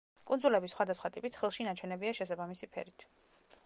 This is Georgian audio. კუნძულების სხვადასხვა ტიპი ცხრილში ნაჩვენებია შესაბამისი ფერით.